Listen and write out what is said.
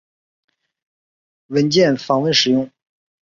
文件访问使用。